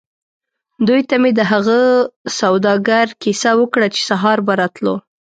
دوی ته مې د هغه سوداګر کیسه وکړه چې سهار به راتلو.